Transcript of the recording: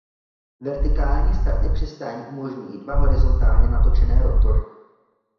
Vertikální start i přistání umožňují dva horizontálně natočené rotory.